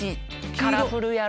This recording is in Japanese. カラフルやろ？